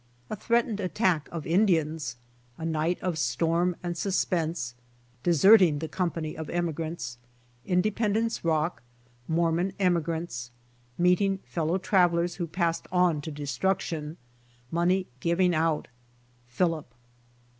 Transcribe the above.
A THREATENED ATTACK OF IN DIANS. — A NIGHT OF STORM AND SUSPENSE. — DE SERTING THE COMPANY OF EMIGRANTS. — INDEPEND ENCE ROCK. — MORMON EMIGRANTS. — MEETING FEL LOW TRAVELERS WHO PASSED ON TO DESTRUCTION. — MONEY GIVING OUT. — PHILIP.